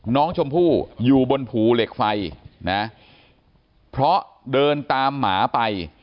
น้องชมพู่อยู่บนภูเหล็กไฟนะเพราะเดินตามหมาไป